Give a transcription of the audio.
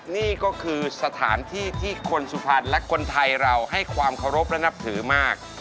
นี่ก็คือสถานที่ที่คนสุพรรณและคนไทยเราให้ความเคารพและนับถือมาก